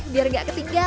biar gak ketinggalan